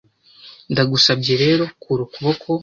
Ndagusabye rero, kura ukuboko,